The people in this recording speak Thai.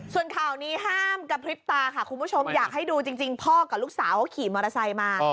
ส่วนข่าวนี้ห้ามกระพริบตาค่ะคุณผู้ชมอยากให้ดูจริงพ่อกับลูกสาวเขาขี่มอเตอร์ไซค์มา